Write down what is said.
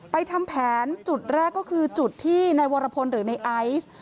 ทำแผนจุดแรกก็คือจุดที่นายวรพลหรือในไอซ์